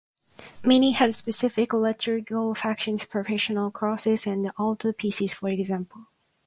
Many had specific liturgical functions-processional crosses and altarpieces, for example.